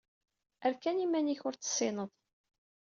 Err kan iman-ik ur t-tessineḍ!